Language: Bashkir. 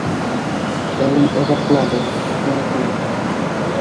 Ә мин оҙаҡланым, сөнки...